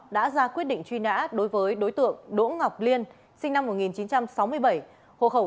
đã ra quyết định truy nã đối với đối tượng đỗ ngọc liên sinh năm một nghìn chín trăm sáu mươi bảy hộ khẩu